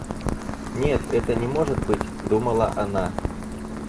Нет, это не может быть, — думала она.